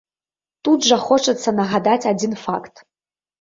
Тут жа хочацца нагадаць адзін факт.